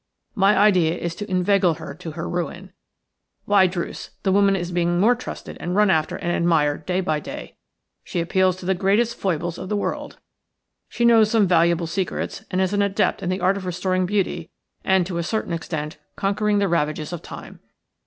My idea is to inveigle her to her ruin. Why, Druce, the woman is being more trusted and run after and admired day by day. She appeals to the greatest foibles of the world. She knows some valuable secrets, and is an adept in the art of restoring beauty and to a certain extent conquering the ravages of time.